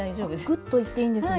グッといっていいんですね。